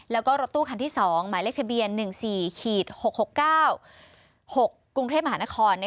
แล้วก็รถตู้คันที่๒หมายเลขทะเบียน๑๔๖๖๙๖กรุงเทพมหานคร